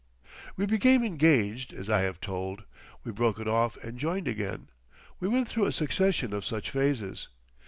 We became engaged, as I have told; we broke it off and joined again. We went through a succession of such phases.